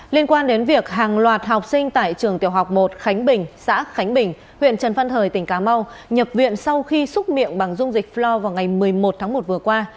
liên quan đến việc hàng loạt học sinh tại trường tiểu học một khánh bình xã khánh bình huyện trần phan thời tỉnh cà mau nhập viện sau khi xúc miệng bằng dung dịch floor vào ngày một mươi một tháng một vừa qua